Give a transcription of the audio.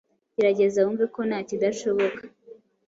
gerageza wumve ko ntakidashoboka